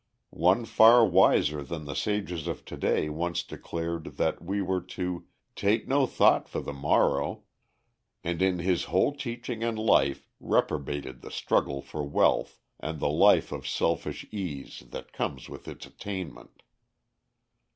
One far wiser than the sages of to day once declared that we were to "take no thought for the morrow," and in His whole teaching and life reprobated the struggle for wealth, and the life of selfish ease that comes with its attainment.